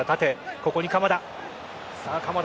ここに鎌田。